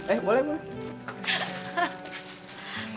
eh boleh boleh